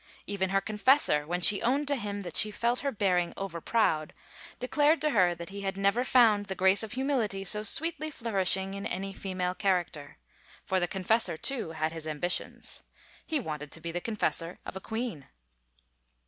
Even her confessor, when she owned to him that she felt her bearing over proud, declared to her that he had never found the grace of humility so sweetly flourish ing in any female character. For the confessor, too, had his ambitions. He wanted to be the confessor of a queen.